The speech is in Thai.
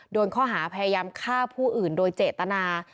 โดนข้อหาพยายามฆ่าผู้อื่นโดยเจตนา